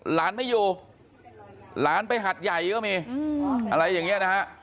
หลานไม่อยู่หลานไปหัดใหญ่ก็มีอะไรอย่างนี้นะฮะ